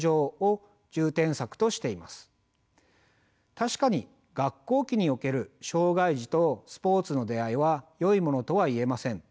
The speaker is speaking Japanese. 確かに学校期における障害児とスポーツの出会いはよいものとは言えません。